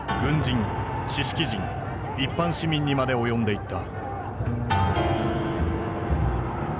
軍人知識人一般市民にまで及んでいった。